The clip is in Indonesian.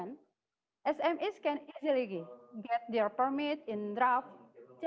ya jika anda melihat dari slide berikutnya